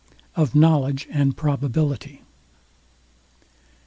OF KNOWLEDGE AND PROBABILITY.